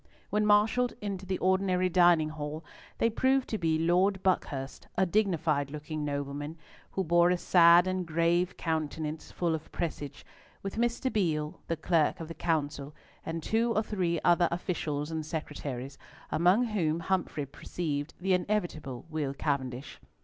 When marshalled into the ordinary dining hall, they proved to be Lord Buckhurst, a dignified looking nobleman, who bore a sad and grave countenance full of presage, with Mr. Beale, the Clerk of the Council, and two or three other officials and secretaries, among whom Humfrey perceived the inevitable Will Cavendish.